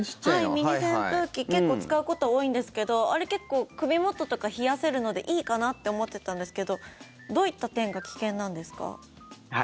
はい、ミニ扇風機結構使うこと多いんですけどあれ、結構首元とか冷やせるのでいいかなって思ってたんですけどどういった点が危険なんですか？